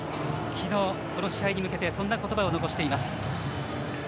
昨日、この試合に向けてそんな言葉を残しています。